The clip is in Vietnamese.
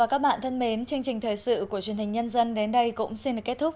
có thêm một chiếc xe trang trí